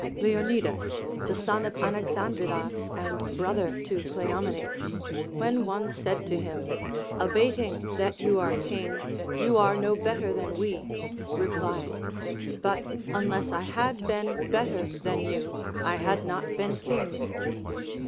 Leonidas, the son of Anaxandridas and brother to Cleo menes, when one said to him, Abating that you are king, you are no better than we, replied, But unless I had been better than vou, I had not been kins'.